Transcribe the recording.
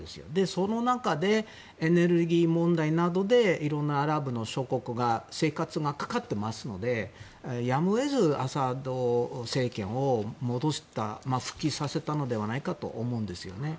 その中で、エネルギー問題などでいろんなアラブ諸国も生活がかかっているのでやむを得ず、アサド政権を復帰させたのではないかと思うんです。